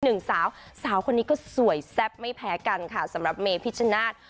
หนึ่งสาวสาวคนนี้ก็สวยแซ่บไม่แพ้กันค่ะสำหรับเมพิชชนาธิ์